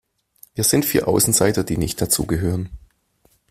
Wir sind vier Außenseiter, die nicht dazugehören.